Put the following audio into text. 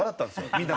みんなが。